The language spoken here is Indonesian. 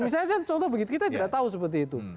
misalnya contoh begitu kita tidak tahu seperti itu